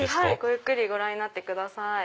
ゆっくりご覧になってください。